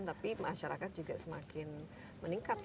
tapi masyarakat juga semakin meningkat